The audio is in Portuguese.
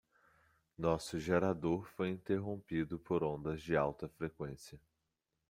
Nosso gerador foi interrompido por ondas de alta frequência.